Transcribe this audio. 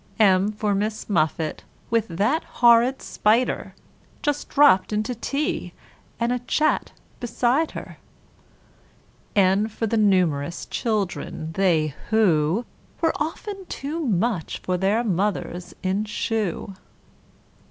M for Miss Muffet, with that horrid spider, Just dropped into tea and a chat beside her. N for the Numerous children they who Were often too much for their mother in Shoe.